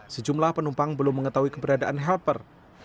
sejumlah penumpang belum mengetahui keberadaan helper